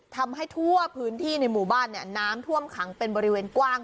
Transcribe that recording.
ทำให้ทั่วพื้นที่ในหมู่บ้านน้ำท่วมขังเป็นบริเวณกว้าง